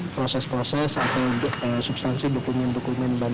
proses proses atau substansi dokumen